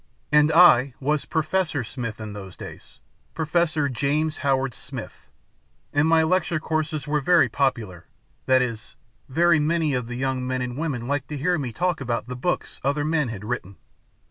And I was Professor Smith in those days Professor James Howard Smith. And my lecture courses were very popular that is, very many of the young men and women liked to hear me talk about the books other men had written.